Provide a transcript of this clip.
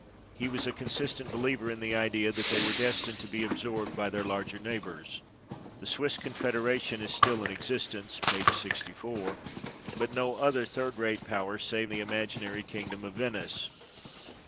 He was a consistent believer in the idea that they were destined to be absorbed by their larger neighbours. The Swiss Confederation is still in existence (p. 64), but no other third rate power, save the imaginary kingdom of Venice.